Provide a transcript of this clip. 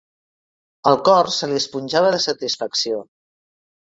El cor se li esponjava de satisfacció.